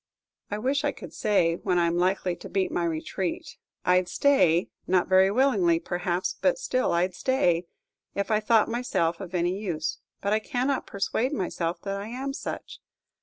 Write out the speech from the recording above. I wish I could say when I am likely to beat my retreat. I 'd stay not very willingly, perhaps, but still I 'd stay if I thought myself of any use; but I cannot persuade myself that I am such.